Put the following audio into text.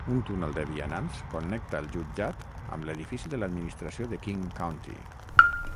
Un túnel de vianants connecta el jutjat amb l'edifici de l'administració de King County.